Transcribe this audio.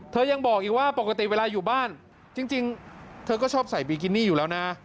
ยังบอกอีกว่าปกติเวลาอยู่บ้านจริงเธอก็ชอบใส่บิกินี่อยู่แล้วนะ